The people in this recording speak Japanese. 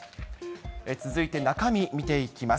続いて中身、見ていきます。